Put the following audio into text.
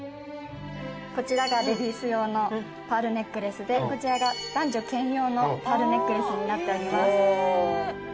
こちらがレディース用のパールネックレスでこちらが男女兼用のパールネックレスになっております。